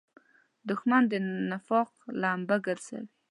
دښمن د نفاق لمبه ګرځوي